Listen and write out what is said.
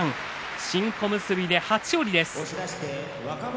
新小結で初勝利です。